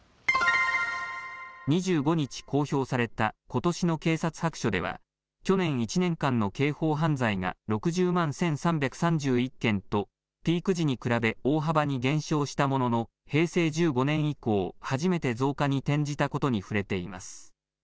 ２５日、公表されたことしの警察白書では去年１年間の刑法犯罪が６０万１３３１件とピーク時に比べ大幅に減少したものの平成１５年以降、初めて増加に転じたことに触れています。